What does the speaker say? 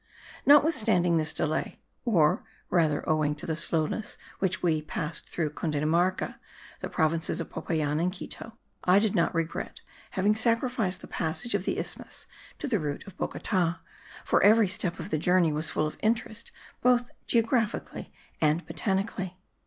Notwithstanding this delay, or rather owing to the slowness with which we passed through Cundinamarca, the provinces of Popayan and Quito, I did not regret having sacrificed the passage of the isthmus to the route of Bogota, for every step of the journey was full of interest both geographically and botanically.